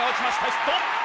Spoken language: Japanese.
ヒット！